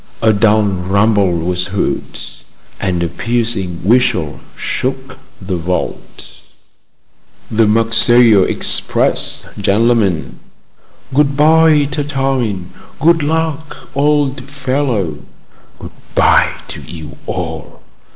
A dull rumble was heard, and a piercing whistle shook the vault. "The Marseilles express, gen'lemen!" "Good bye, Tartarin! Good luck, old fellow!" "Good bye to you all!"